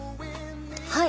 はい！